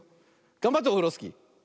がんばってオフロスキー。